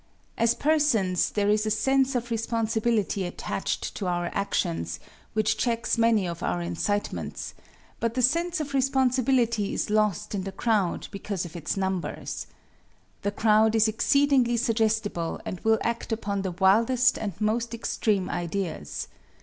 As persons there is a sense of responsibility attached to our actions which checks many of our incitements, but the sense of responsibility is lost in the crowd because of its numbers. The crowd is exceedingly suggestible and will act upon the wildest and most extreme ideas.